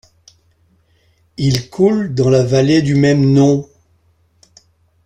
Il coule dans la vallée du même nom.